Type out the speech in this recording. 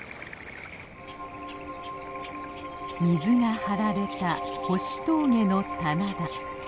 水が張られた星峠の棚田。